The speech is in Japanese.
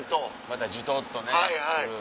またじとっとねする。